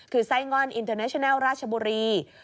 คือไส้ง่อนอินเทอร์เนชินัลราชบุรี